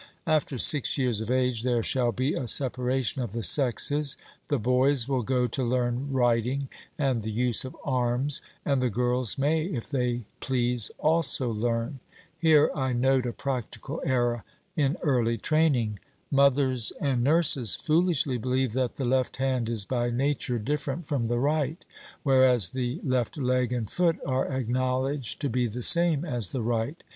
After six years of age there shall be a separation of the sexes; the boys will go to learn riding and the use of arms, and the girls may, if they please, also learn. Here I note a practical error in early training. Mothers and nurses foolishly believe that the left hand is by nature different from the right, whereas the left leg and foot are acknowledged to be the same as the right.